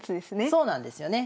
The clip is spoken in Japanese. そうなんですよね。